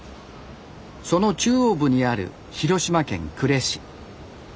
その中央部にある広島県呉市。